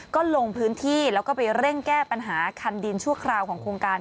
ก็ลงพื้นที่แล้วก็ไปเร่งแก้ปัญหาคันดินชั่วคราวของโครงการ